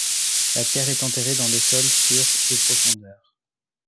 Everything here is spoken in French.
La pierre est enterrée dans le sol sur de profondeur.